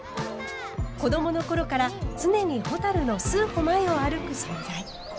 子どもの頃から常にほたるの数歩前を歩く存在。